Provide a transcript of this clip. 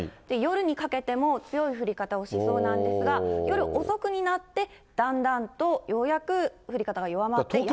夜にかけても強い降り方をしそうなんですが、夜遅くになって、だんだんとようやく降り方が弱まって。